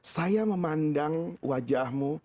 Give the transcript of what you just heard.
saya memandang wajahmu